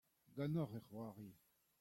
ganeoc'h e c'hoarie.